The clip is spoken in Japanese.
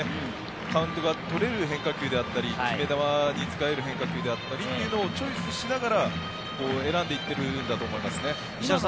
カウントがとれる変化球、決め球に使える変化球だったりをチョイスしながら選んでいってると思います。